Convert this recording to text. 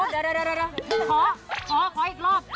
เดี๋ยวขอขออีกรอบ